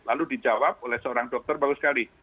lalu dijawab oleh seorang dokter bagus sekali